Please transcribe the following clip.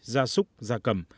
gia súc gia cầm